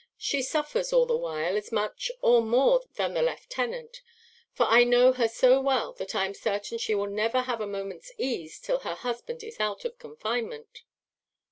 She suffers, all this while, as much or more than the lieutenant; for I know her so well, that I am certain she will never have a moment's ease till her husband is out of confinement."